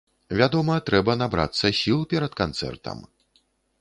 Вядома, трэба набрацца сіл перад канцэртам.